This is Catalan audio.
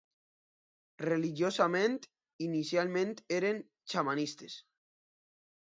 Religiosament, inicialment eren xamanistes.